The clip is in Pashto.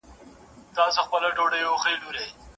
پال ډنبار خپل لومړنی شعر